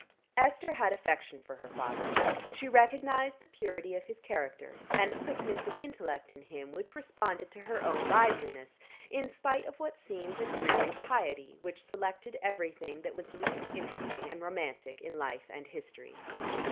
Esther had affection for her father: she recognized the purity of his character, and a quickness of intellect in him which responded to her own liveliness, in spite of what seemed a dreary piety, which selected everything that was least interesting and romantic in life and history.